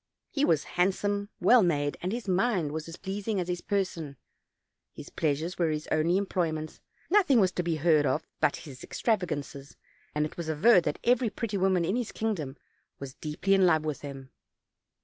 He was handsome, well made, and his mind was as pleas ing as his person; his pleasures were his only employ ments; nothing was to be heard of but his extrava gances; and it was averred that every pretty woman in his kingdom was deeply in love with him.